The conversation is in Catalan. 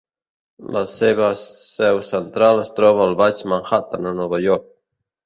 La seva seu central es troba al baix Manhattan, a Nova York.